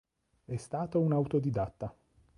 È stato un autodidatta.